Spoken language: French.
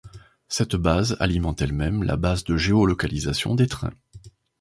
Cette base alimente elle-même la base de géolocalisation des trains.